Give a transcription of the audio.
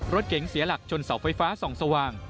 รถเก๋งเสียหลักชนเสาไฟฟ้าส่องสว่าง